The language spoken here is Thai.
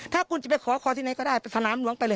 ถ้าคุณจะไปขอคอที่ไหนก็ได้ไปสนามหลวงไปเลย